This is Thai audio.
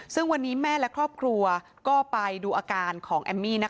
ซึ่งวันนี้แม่และครอบครัวก็ไปดูอาการของแอมมี่